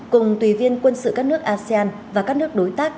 cùng tùy viên quân sự các nước asean và các nước đối tác